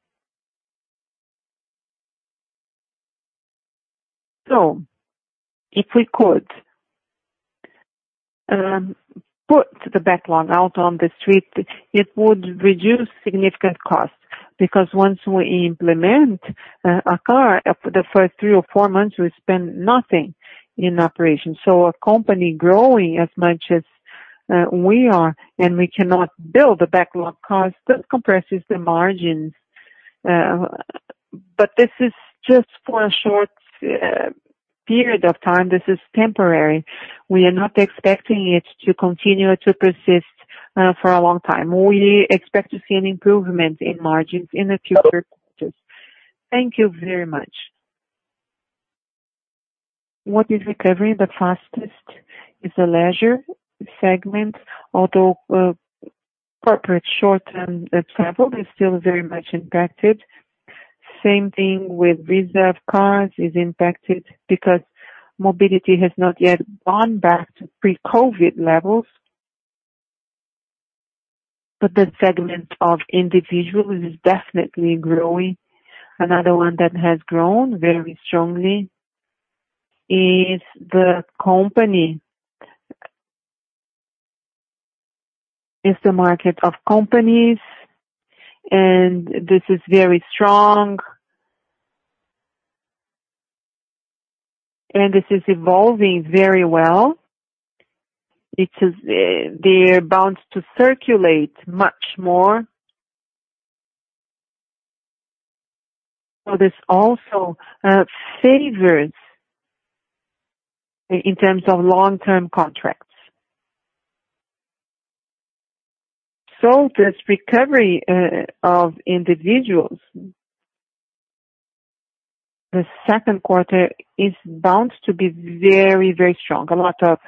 If we could put the backlog out on the street, it would reduce significant costs, because once we implement a car, the first three or four months, we spend nothing in operation. A company growing as much as we are, and we cannot build a backlog cost, that compresses the margins. This is just for a short period of time. This is temporary. We are not expecting it to continue to persist for a long time. We expect to see an improvement in margins in the future quarters. Thank you very much. What is recovering the fastest is the leisure segment, although corporate short-term travel is still very much impacted. Same thing with Rent-a-Car is impacted because mobility has not yet gone back to pre-COVID levels. The segment of individuals is definitely growing. Another one that has grown very strongly is the companies, is the market of companies. This is very strong. This is evolving very well, which is they're bound to circulate much more. This also favors in terms of long-term contracts. This recovery of individuals. The second quarter is bound to be very, very strong. A lot of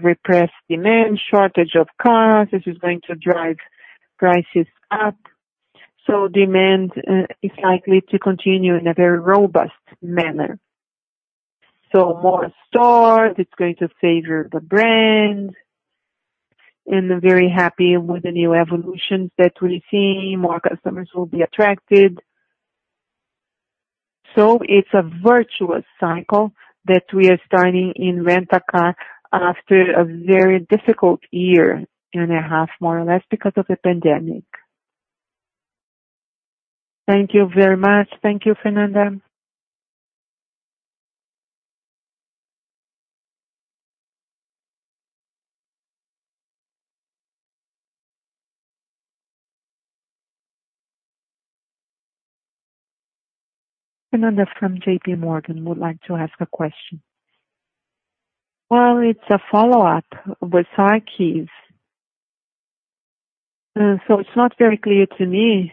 repressed demand, shortage of cars, this is going to drive prices up. Demand is likely to continue in a very robust manner. More stores it's going to favor the brand, and very happy with the new evolutions that we see. More customers will be attracted. It's a virtuous cycle that we are starting in Rent-a-Car after a very difficult year and a half, more or less, because of the pandemic. Thank you very much. Thank you, Fernando. Fernanda from JPMorgan would like to ask a question. It's a follow-up with Sarquis. It's not very clear to me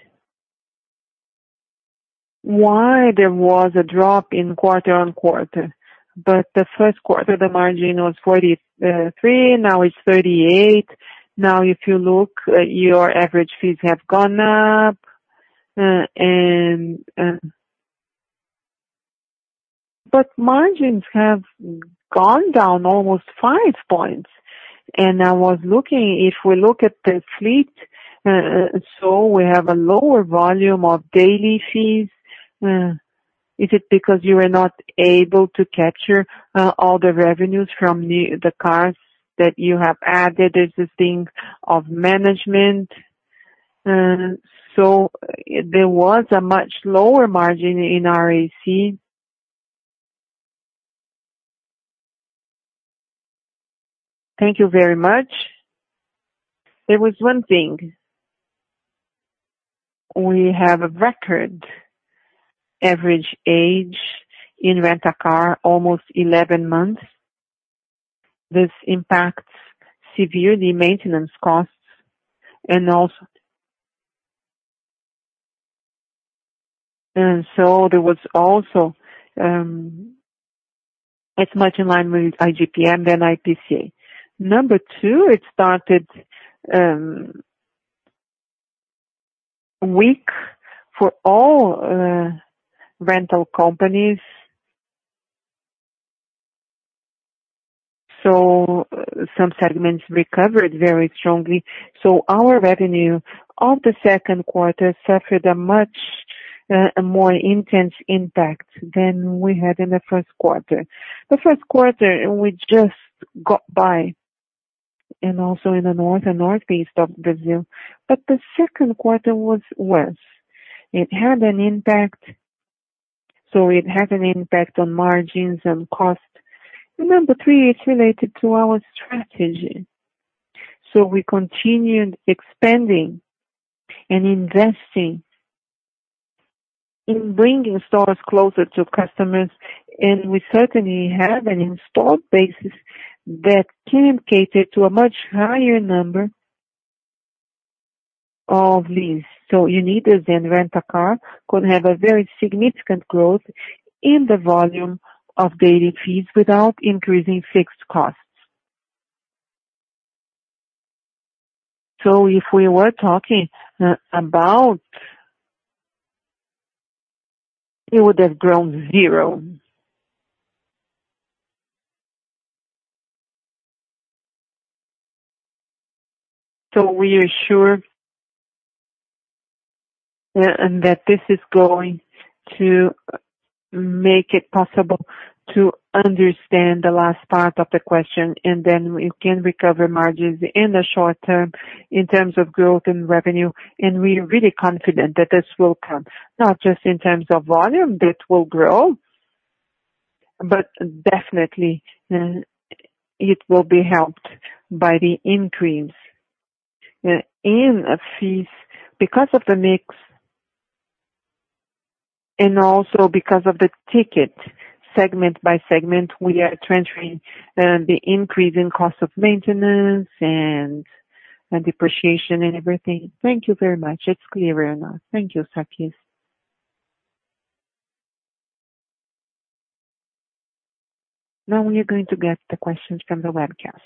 why there was a drop in quarter-on-quarter. The first quarter, the margin was 43, now it's 38. Now, if you look, your average fees have gone up. Margins have gone down almost 5 points. I was looking, if we look at the fleet, we have a lower volume of daily fees. Is it because you are not able to capture all the revenues from the cars that you have added as a thing of management? There was a much lower margin in RAC. Thank you very much. There was one thing. We have a record average age in Rent-a-Car, almost 11 months. This impacts severely maintenance costs. It is much in line with IGP-M than IPCA. Number two, it started weak for all rental companies. Some segments recovered very strongly. Our revenue of the second quarter suffered a much more intense impact than we had in the first quarter. The first quarter, we just got by. Also in the north and northeast of Brazil. The second quarter was worse. It had an impact. It had an impact on margins and cost. Number three, it's related to our strategy. We continued expanding and investing in bringing stores closer to customers, and we certainly have an installed basis that can cater to a much higher number of lease. Unidas and Rent-a-Car could have a very significant growth in the volume of daily fees without increasing fixed costs. If we were talking about. It would have grown zero. We are sure that this is going to make it possible to understand the last part of the question, and then we can recover margins in the short term in terms of growth and revenue. We are really confident that this will come, not just in terms of volume, but will grow. Definitely, it will be helped by the increase in fees because of the mix and also because of the ticket segment by segment. We are transferring the increase in cost of maintenance, depreciation, and everything. Thank you very much. It's clear enough. Thank you, Sarquis. Now we are going to get the questions from the webcast.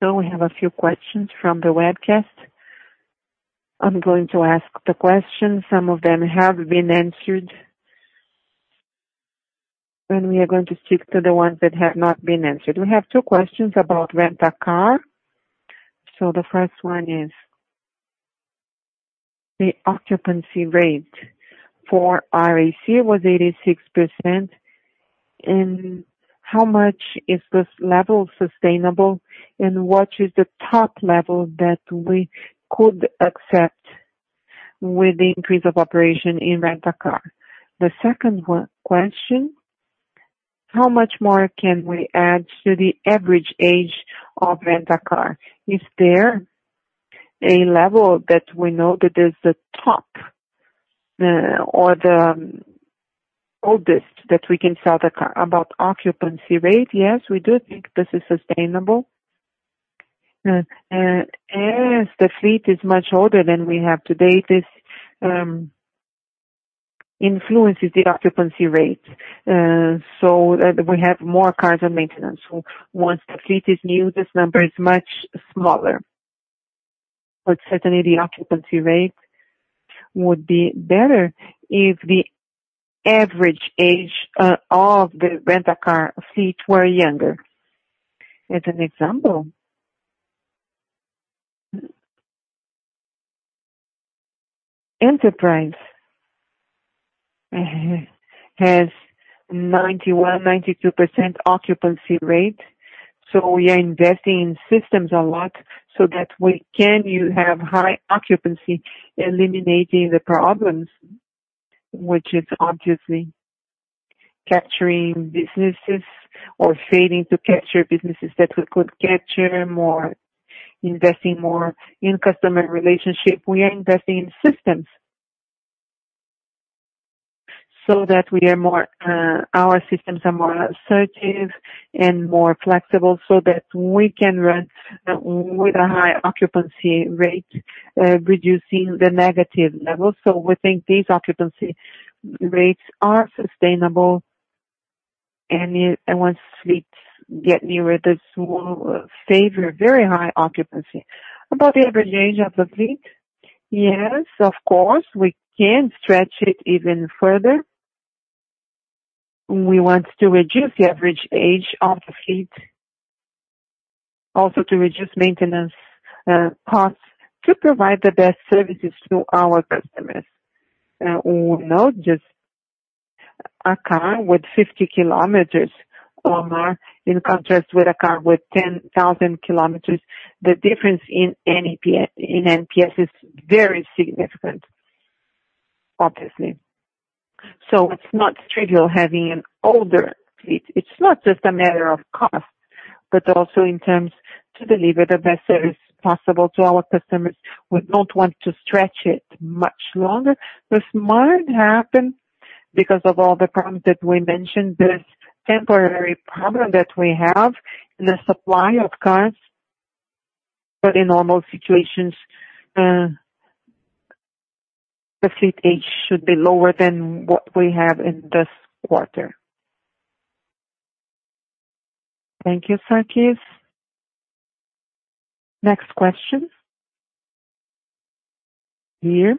We have a few questions from the webcast. I'm going to ask the questions. Some of them have been answered. We are going to stick to the ones that have not been answered. We have two questions about Rent-a-Car. The first one is the occupancy rate for RAC was 86%, and how much is this level sustainable, and what is the top level that we could accept with the increase of operation in Rent-a-Car? The second question, how much more can we add to the average age of Rent-a-Car? Is there a level that we know that is the top or the oldest that we can sell the car? About occupancy rate, yes, we do think this is sustainable. As the fleet is much older than we have today, this influences the occupancy rate, so that we have more cars on maintenance. Once the fleet is new, this number is much smaller. Certainly, the occupancy rate would be better if the average age of the Rent-a-Car fleet were younger. As an example, Enterprise has 91%, 92% occupancy rate. We are investing in systems a lot so that we can have high occupancy, eliminating the problems, which is obviously capturing businesses or failing to capture businesses that we could capture, investing more in customer relationship. We are investing in systems so that our systems are more assertive and more flexible so that we can run with a high occupancy rate, reducing the negative levels. We think these occupancy rates are sustainable and once fleets get nearer, this will favor very high occupancy. About the average age of the fleet, yes, of course, we can stretch it even further. We want to reduce the average age of the fleet, also to reduce maintenance costs to provide the best services to our customers. We know just a car with 50 kms or more in contrast with a car with 10,000 kms, the difference in NPS is very significant, obviously. It is not trivial having an older fleet. It is not just a matter of cost, but also in terms to deliver the best service possible to our customers. We do not want to stretch it much longer. This might happen because of all the problems that we mentioned, this temporary problem that we have in the supply of cars. In normal situations, the fleet age should be lower than what we have in this quarter. Thank you, Sarquis. Next question. The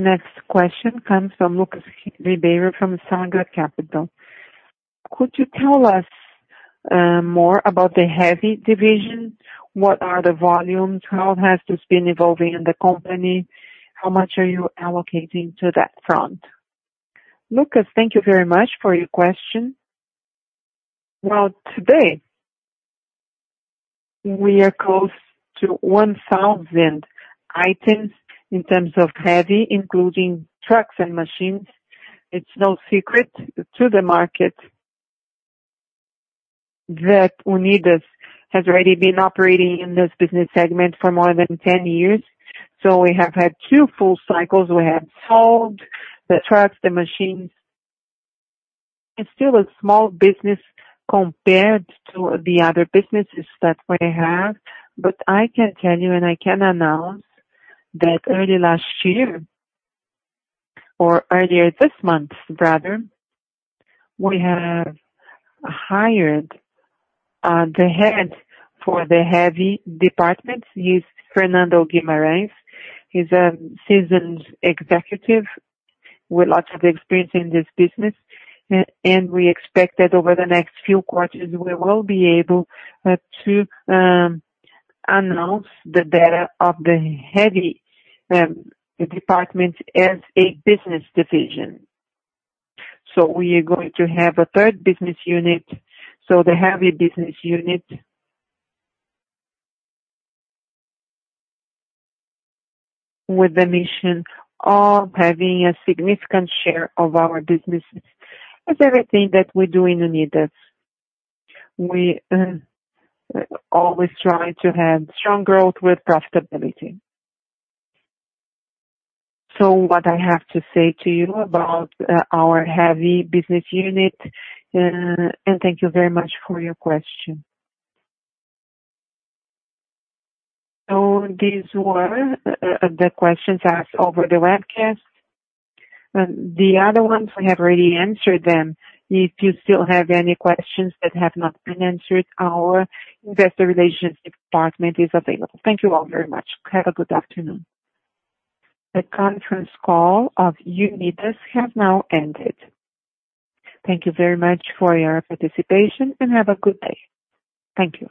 next question comes from Lucas Ribeiro from Santander. Could you tell us more about the heavy department? What are the volumes? How has this been evolving in the company? How much are you allocating to that front? Lucas, thank you very much for your question. Well, today, we are close to 1,000 items in terms of heavy, including trucks and machines. It is no secret to the market that Unidas has already been operating in this business segment for more than 10 years. We have had two full cycles. We have sold the trucks, the machines. It is still a small business compared to the other businesses that we have. I can tell you, and I can announce that early last year, or earlier this month rather, we have hired the Head for the Heavy Department. He is Fernando Guimarães. He is a seasoned executive with lots of experience in this business. We expect that over the next few quarters, we will be able to announce the data of the heavy department as a business division. We are going to have a third business unit. The Heavy Business Unit with the mission of having a significant share of our businesses. As everything that we do in Unidas, we always try to have strong growth with profitability. What I have to say to you about our Heavy Business Unit, and thank you very much for your question. These were the questions asked over the webcast. The other ones, we have already answered them. If you still have any questions that have not been answered, our investor relations department is available. Thank you all very much. Have a good afternoon. The conference call of Unidas has now ended. Thank you very much for your participation, and have a good day. Thank you.